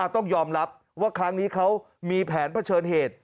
ต้องยอมรับว่าครั้งนี้เขามีแผนเผชิญเหตุ